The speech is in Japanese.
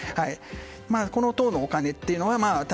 この党のお金というのはた